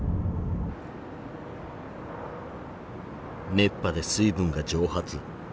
熱波で水分が蒸発。